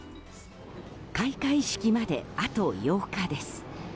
開会式まであと８日です。